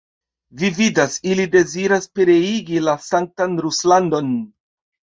Vi vidas, ili deziras pereigi la sanktan Ruslandon!